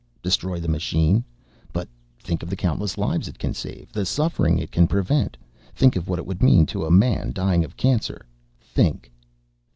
"Destroy the machine? But think of the countless lives it can save, the suffering it can prevent. Think of what it would mean to a man dying of cancer. Think